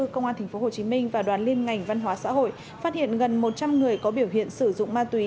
công an tp hcm và đoàn liên ngành văn hóa xã hội phát hiện gần một trăm linh người có biểu hiện sử dụng ma túy